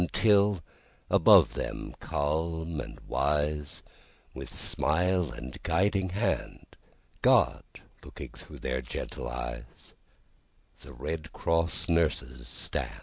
Until, above them, calm and wiseWith smile and guiding hand, God looking through their gentle eyes, The Red Cross nurses stand.